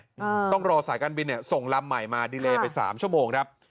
อ่าต้องรอสายการบินเนี่ยส่งลำใหม่มาดีเลไปสามชั่วโมงครับ